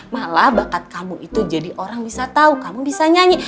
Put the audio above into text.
malah bakat kamu itu jadi orang bisa tahu kamu bisa nyanyi